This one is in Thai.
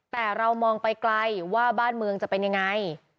แต่เรามองไปไกลว่าบ้านเมืองจะเป็นยังไง